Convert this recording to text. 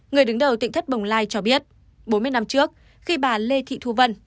người đứng đầu tỉnh thất bồng lai cho biết bốn mươi năm trước khi bà lê thị thu vân